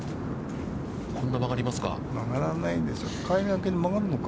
こんな曲がりますか。